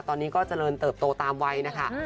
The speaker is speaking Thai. ตอนนี้ก็เจริญเติบโตตามวัยนะคะ